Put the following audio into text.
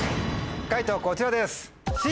解答こちらです。